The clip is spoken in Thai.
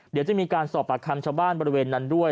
เดี๋ยวจะมีการสอบปากคำชาวบ้านบริเวณนั้นด้วย